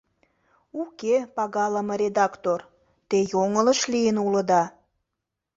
Уке, пагалыме редактор, те йоҥылыш лийын улыда.